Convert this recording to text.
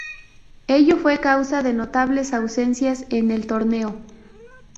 Ello fue causa de notables ausencias en el torneo.